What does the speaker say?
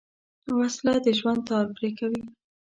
وسله د ژوند تار پرې کوي